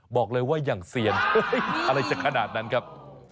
บอกเลยว่าอย่างเซียนอะไรจะขนาดนั้นครับ